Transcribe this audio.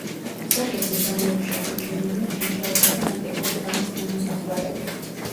სოფლის მიდამოებში აღმოჩენილია ბრინჯაოსა და ანტიკური ხანის ნამოსახლარები.